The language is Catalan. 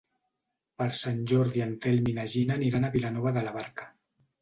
Per Sant Jordi en Telm i na Gina aniran a Vilanova de la Barca.